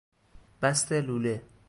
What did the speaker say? بست لوله